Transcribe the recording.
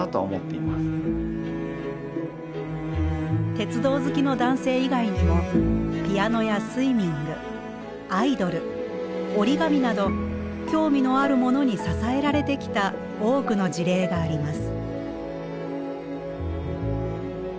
鉄道好きの男性以外にもピアノやスイミングアイドル折り紙など興味のあるものに支えられてきた多くの事例があります。